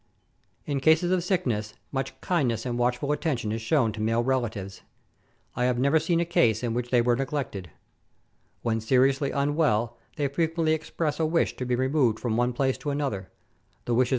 In cases of sickness, much kindness and watchful attention is shown to male relatives. I have never seen a case in which they were neglected. When seriously unwell, they frequently express a wish to be removed from one place to another ; the wish is Letters from Victorian Pioneers.